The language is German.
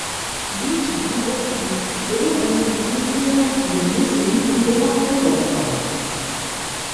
Widmann wuchs als Sohn eines Musiklehrers in Missen im Oberallgäu auf.